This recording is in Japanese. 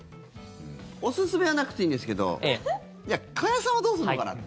おすすめはなくていいんですけど加谷さんはどうするのかなって。